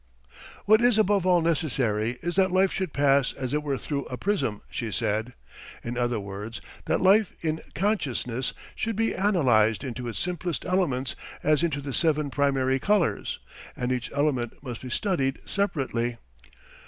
..." "What is above all necessary is that life should pass as it were through a prism," she said; "in other words, that life in consciousness should be analyzed into its simplest elements as into the seven primary colours, and each element must be studied separately."